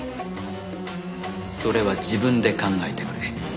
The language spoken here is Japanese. それは自分で考えてくれ。